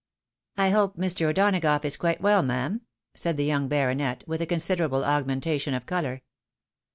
" I hope Mr. O'Donagough is quite well, ma'am?" said the young baronet, with a considerable augmentation of colour.